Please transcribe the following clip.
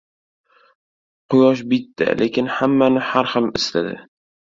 • Quyosh bitta, lekin hammani har xil isitadi.